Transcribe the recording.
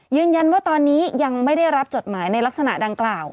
ยืนยันว่าตอนนี้ยังไม่ได้รับจดหมายในลักษณะดังกล่าว